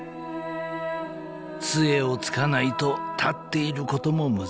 ［つえをつかないと立っていることも難しい。